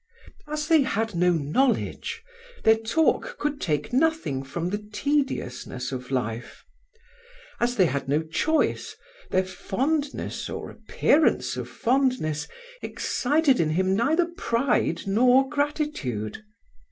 As they had no knowledge, their talk could take nothing from the tediousness of life; as they had no choice, their fondness, or appearance of fondness, excited in him neither pride nor gratitude.